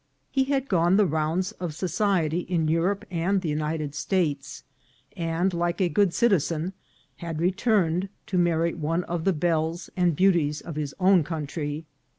He had gone the rounds of society in Europe and the United States, and, like a good citizen, had returned to marry one of the belles and beauties of his own coun try.